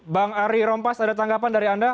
bang ari rompas ada tanggapan dari anda